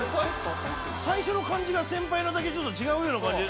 最初の感じが先輩のだけちょっと違うような感じ。